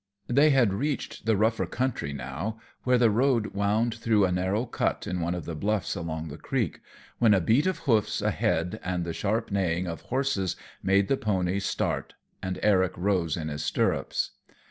They had reached the rougher country now, where the road wound through a narrow cut in one of the bluffs along the creek, when a beat of hoofs ahead and the sharp neighing of horses made the ponies start and Eric rose in his stirrups.